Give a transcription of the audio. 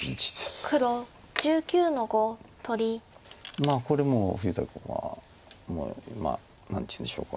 まあこれもう富士田君はまあ何ていうんでしょうか。